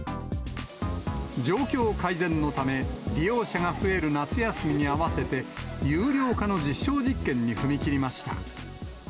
状況改善のため、利用者が増える夏休みに合わせて、有料化の実証実験に踏み切りました。